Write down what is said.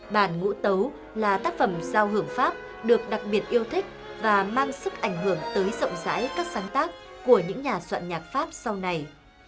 bản ngũ tấu là tác phẩm giao hưởng pháp được đặc biệt yêu thích và mang sức ảnh hưởng tới rộng rãi các sáng tác của những nhà soạn nhạc pháp sau này